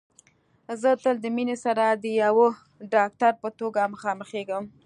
زه تل د مينې سره د يوه ډاکټر په توګه مخامخېږم